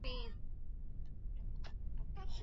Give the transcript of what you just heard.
lazima tuwe tayari kwa lolote linaweza kutokea